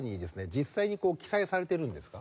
実際に記載されているんですか？